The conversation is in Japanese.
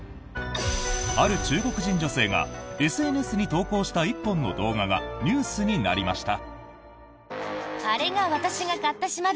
ある中国人女性がＳＮＳに投稿した１本の動画がニュースになりました。